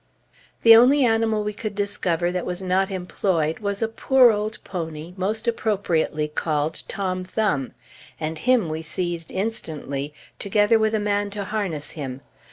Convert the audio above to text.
The only animal we could discover that was not employed was a poor old pony, most appropriately called "Tom Thumb," and him we seized instantly, together with a man to harness him.